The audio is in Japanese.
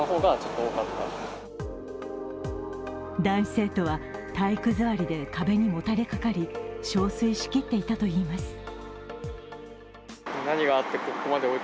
男子生徒は体育座りで壁にもたれかかりしょうすいしきっていたといいます。